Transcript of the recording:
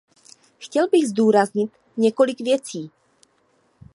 Chtěl bych zdůraznit několik věcí.